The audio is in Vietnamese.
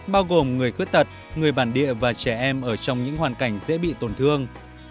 bao gồm người khuyết tật người bản địa và trẻ em ở trong những hoàn cảnh dễ bị tổn thương